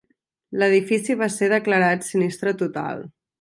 L'edifici va ser declarat sinistre total.